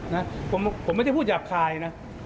แต่ผมไม่ได้พูดจากใคร